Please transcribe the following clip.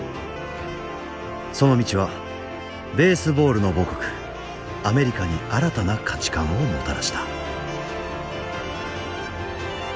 その道はベースボールの母国アメリカに新たな価値観をもたらした。